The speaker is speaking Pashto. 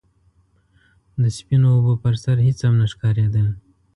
د سپينو اوبو پر سر هيڅ هم نه ښکارېدل.